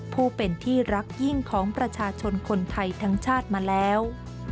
ผู้เป็นที่รักยิ่งของประชาชนคนไทยทั้งชาติมาแล้ว